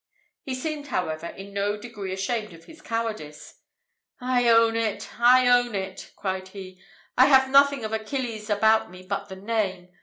He seemed, however, in no degree ashamed of his cowardice. "I own it! I own it!" cried he; "I have nothing of Achilles about me but the name.